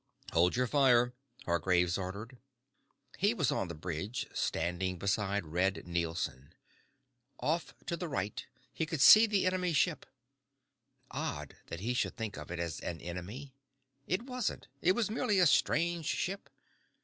"Hold your fire," Hargraves ordered. He was on the bridge, standing beside Red Nielson. Off to the right he could see the enemy ship. Odd that he should think of it as an enemy. It wasn't. It was merely a strange ship.